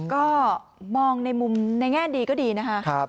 ก็มองในมุมในแง่ดีก็ดีนะคะ